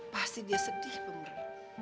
pasti dia sedih pemberi